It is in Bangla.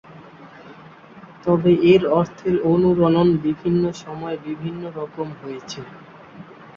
তবে এর অর্থের অনুরণন বিভিন্ন সময়ে বিভিন্ন রকম হয়েছে।